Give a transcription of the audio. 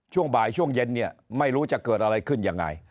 ช่วงบ่ายช่วงเย็นเนี่ยไม่รู้จะเกิดอะไรขึ้นยังไง